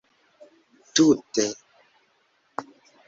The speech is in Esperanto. tute